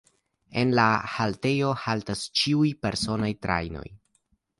En la haltejo haltas ĉiuj personaj trajnoj.